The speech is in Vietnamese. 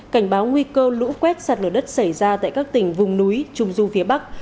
cảnh báo nguy cơ lũ quét sạt lửa đất xảy ra tại các tỉnh vùng núi trung du phía bắc